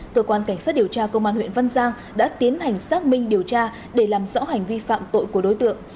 cơ quan cảnh sát điều tra công an huyện văn giang đã tiến hành xác minh điều tra để làm rõ hành vi phạm tội của đối tượng